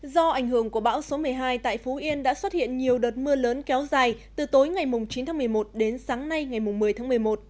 do ảnh hưởng của bão số một mươi hai tại phú yên đã xuất hiện nhiều đợt mưa lớn kéo dài từ tối ngày chín tháng một mươi một đến sáng nay ngày một mươi tháng một mươi một